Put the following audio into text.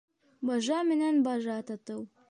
Бажа менән бажа татыу